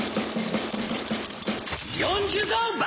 「４５番！」